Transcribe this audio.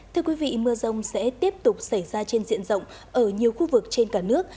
thưa quý vị mưa rông sẽ tiếp tục xảy ra trên diện rộng ở nhiều khu vực trên cả nước